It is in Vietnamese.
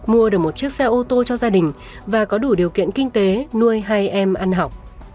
mua được một chiếc xe ô tô cho gia đình và có đủ điều kiện kinh tế nuôi hai em ăn học